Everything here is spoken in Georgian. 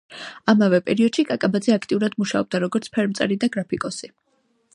ამავე პერიოდში კაკაბაძე აქტიურად მუშაობდა როგორც ფერმწერი და გრაფიკოსი.